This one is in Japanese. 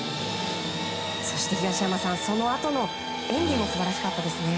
そして東山さんそのあとの演技も素晴らしかったですね。